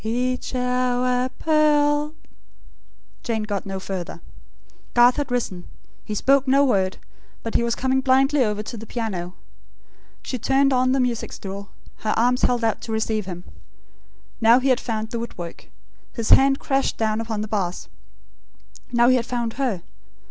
Each hour a pearl " Jane got no further. Garth had risen. He spoke no word; but he was coming blindly over to the piano. She turned on the music stool, her arms held out to receive him. Now he had found the woodwork. His hand crashed down upon the bass. Now he had found her.